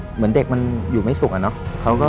เหมือนเด็กมันอยู่ไม่สุขอะเนาะ